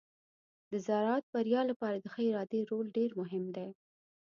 د زراعت د بریا لپاره د ښه ادارې رول ډیر مهم دی.